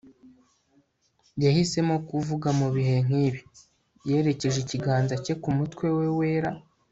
yahisemo kuvuga mu bihe nk'ibi. yerekeje ikiganza cye ku mutwe we wera